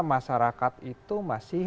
masyarakat itu masih